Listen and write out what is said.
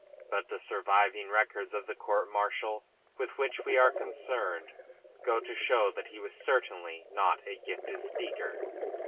But the surviving records of the court martial with which we are concerned go to show that he was certainly not a gifted speaker.